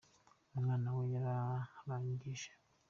Umwana we yararangije.